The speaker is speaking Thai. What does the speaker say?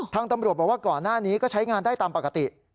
ตำรวจบอกว่าก่อนหน้านี้ก็ใช้งานได้ตามปกติ